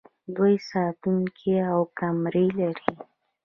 دوی ساتونکي او کمرې لري.